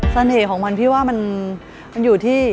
เสน่ห์ของมันพี่ว่ามันอยู่ที่